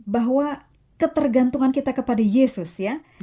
bahwa ketergantungan kita kepada yesus ya